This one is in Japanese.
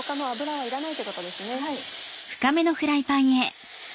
はい。